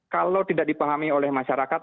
kalau tidak dipahami oleh masyarakat